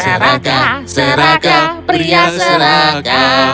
seraka seraka pria seraka